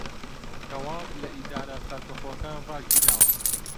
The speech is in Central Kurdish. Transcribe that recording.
دەوام لە ئیدارە سەربەخۆکان ڕاگیراوە